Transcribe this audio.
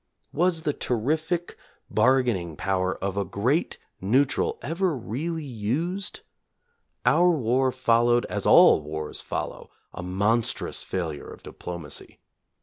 Was the terrific bargaining power of a great neutral ever really used 4 ? Our war followed, as all wars follow, a monstrous failure of diplomacy.